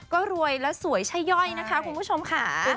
ก็รวยแล้วสวยใช่ย่อยนะคะคุณผู้ชมค่ะ